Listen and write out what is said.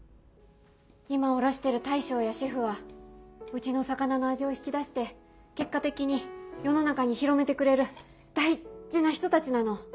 今卸してる大将やシェフはうちの魚の味を引き出して結果的に世の中に広めてくれる大事な人たちなの。